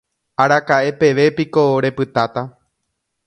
Araka'e peve piko repytáta.